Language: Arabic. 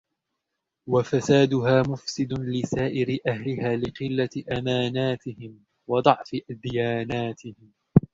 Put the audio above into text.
وَفَسَادُهَا مُفْسِدٌ لِسَائِرِ أَهْلِهَا لِقِلَّةِ أَمَانَاتِهِمْ ، وَضَعْفِ دِيَانَاتِهِمْ